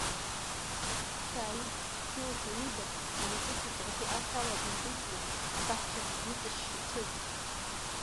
Сааид, снеиуашәа аниба, амаҵурҭа ҵаҟатәи ашә ала дындәылҵны, абаҳча длыҵашьшьы дцоит.